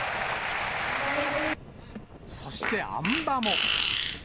そして、あん馬も。